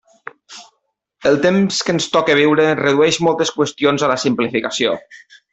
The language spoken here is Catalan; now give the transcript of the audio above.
El temps que ens toca viure redueix moltes qüestions a la simplificació.